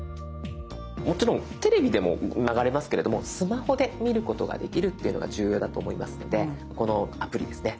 もちろんテレビでも流れますけれどもスマホで見ることができるというのが重要だと思いますのでこのアプリですね